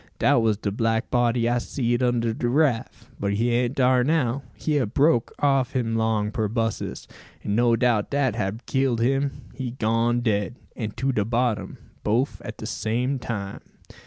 Dat was de black body I seed under de raff; but he an't dar now. He hab broke off him long perbossus; and no doubt dat hab killed him. He gone dead, and to de bottom, boaf at de same time."